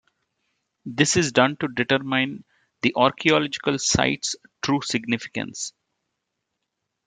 This is done to determine the archaeological site's true significance.